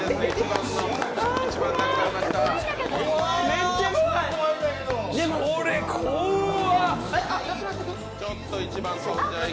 めっちゃ怖い。